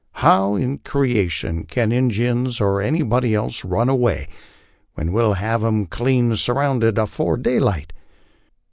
How in creation can Injuns or anybody else run away when we'll have 'em clean surrounded afore daylight?